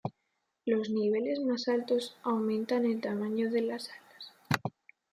Los niveles más altos aumentan el tamaño de las alas.